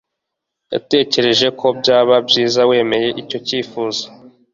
yatekereje ko byaba byiza wemeye icyo cyifuzo